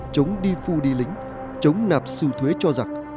chống đi phu đi lính chống nạp sưu thuế cho giặc